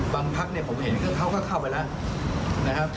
บางพักผมเห็นเขาก็เข้าไปแล้วนะครับ